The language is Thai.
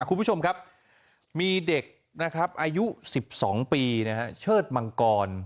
คุณผู้ชมครับมีเด็กนะครับอายุสิบสองปีนะฮะเชิดมังกร